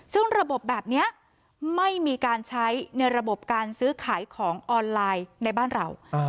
ซึ่งระบบแบบนี้ไม่มีการใช้ในระบบการซื้อขายของออนไลน์ในบ้านเรา